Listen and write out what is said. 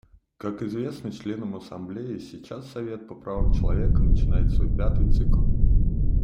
Как известно членам Ассамблеи, сейчас Совет по правам человека начинает свой пятый цикл.